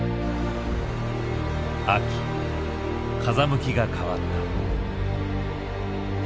風向きが変わった。